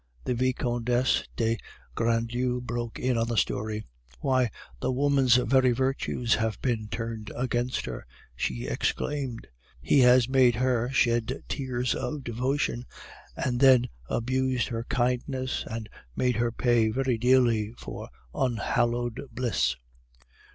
'" The Vicomtesse de Grandlieu broke in on the story. "Why, the woman's very virtues have been turned against her," she exclaimed. "He has made her shed tears of devotion, and then abused her kindness and made her pay very dearly for unhallowed bliss."